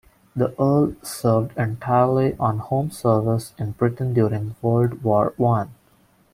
The Earl served entirely on home service in Britain during World War One.